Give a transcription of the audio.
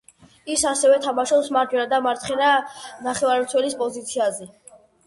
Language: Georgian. ის ასევე თამაშობს მარჯვენა და მარცხენა ნახევარმცველის პოზიციაზე.